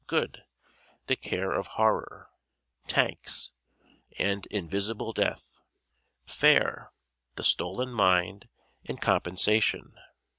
Good: "The Care of Horror," "Tanks" and "Invisible Death." Fair: "The Stolen Mind" and "Compensation."